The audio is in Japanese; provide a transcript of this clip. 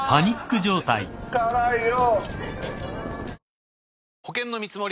辛いよ。